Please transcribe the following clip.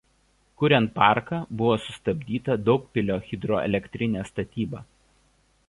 Kuriant parką buvo sustabdyta Daugpilio hidroelektrinės statyba.